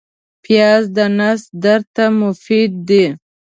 پیاز د نس درد ته مفید دی